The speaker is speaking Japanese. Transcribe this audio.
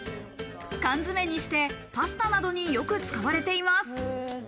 缶詰にして、パスタなどによく使われています。